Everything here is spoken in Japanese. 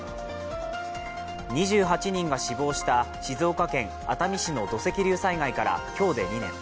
２８人が死亡した静岡県熱海市の土石流災害から今日で２年。